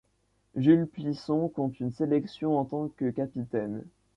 Jules Plisson compte une sélection en tant que capitaine.